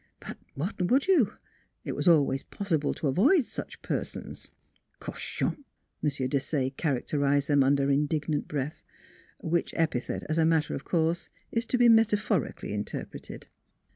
But what would you? It was always possible to avoid such per sons "Cochons!" M. Desaye characterized them under indignant breath which epithet as a matter of course, is to be metaphorically inter preted.